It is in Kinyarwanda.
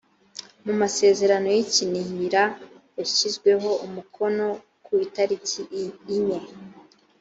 mu masezerano y i kinihira yashyizweho umukono ku itariki inye